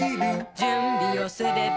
「じゅんびをすれば」